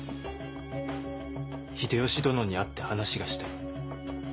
秀吉殿に会って話がしたい。